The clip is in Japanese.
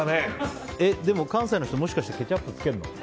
でも関西の人もしかしてケチャップつけるの？